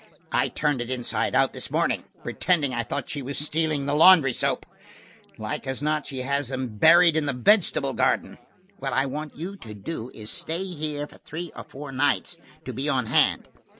"I turned it inside out this morning, pretending I thought she was stealing the laundry soap. Like as not she has them buried in the vegetable garden. What I want you to do is stay here for three or four nights, to be on hand.